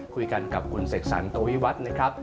คุยกันกับคุณเสกสรรตวิวัฒน์นะครับ